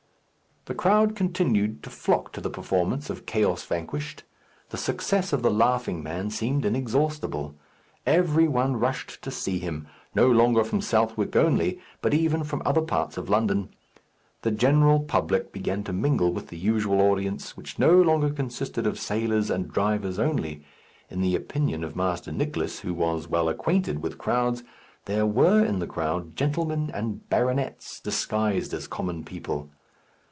The crowd continued to flock to the performance of "Chaos Vanquished." The success of the Laughing Man seemed inexhaustible. Every one rushed to see him; no longer from Southwark only, but even from other parts of London. The general public began to mingle with the usual audience, which no longer consisted of sailors and drivers only; in the opinion of Master Nicless, who was well acquainted with crowds, there were in the crowd gentlemen and baronets disguised as common people.